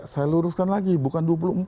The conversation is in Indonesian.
saya luruskan lagi bukan dua puluh empat